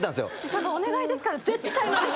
ちょっとお願いですから。